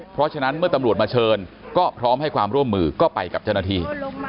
เพราะฉะนั้นเมื่อตำรวจมาเชิญก็พร้อมให้ความร่วมมือก็ไปกับเจ้าหน้าที่